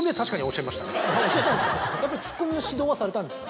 教えたんですかやっぱりツッコミの指導はされたんですか？